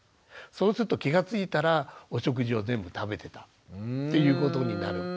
そうすると気が付いたらお食事を全部食べてたっていうことになる。